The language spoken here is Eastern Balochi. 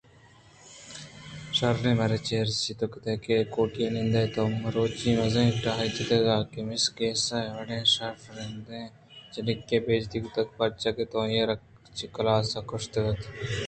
شرّیں باریں چاریں توکد اے کوٹی ءَ نندے تو مروچی مزنیں ٹاہے جتگ اَت کہ مس گیسا ءِ وڑیں شرفدار یں جنکے ءِ بے عزتی کتگ پرچا کہ تو آئی ءَ را چہ کلاس ءَ کشّیتگ